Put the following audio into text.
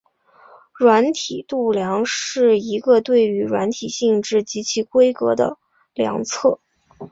软体度量是一个对于软体性质及其规格的量测。